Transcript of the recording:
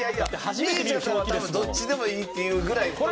ＭＩＳＩＡさんは多分どっちでもいいって言うぐらい懐深い。